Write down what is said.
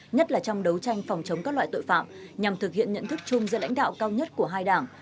nhất là trong đấu tranh phòng chống các loại tội phạm nhằm thực hiện nhận thức chung giữa lãnh đạo cao nhất của hai đảng